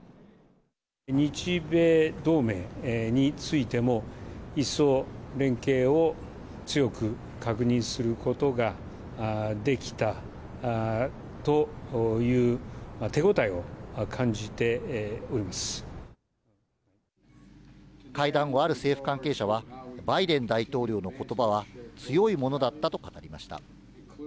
日米同盟についても、一層連携を強く確認することができたという手応えを感じておりま会談後、ある政府関係者は、バイデン大統領のことばは強いものだったと語りました。